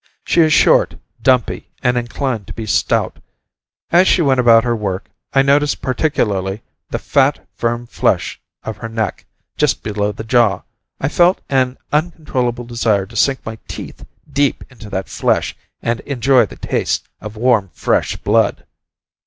She is short, dumpy, and inclined to be stout. As she went about her work, I noticed particularly the fat firm flesh of her neck, just below the jaw. I felt an uncontrollable desire to sink my teeth deep into that flesh, and enjoy the taste of the warm fresh blood.